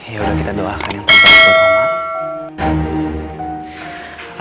ya udah kita doakan yang terbaik dulu oma